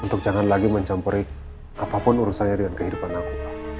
untuk jangan lagi mencampuri apapun urusannya dengan kehidupan aku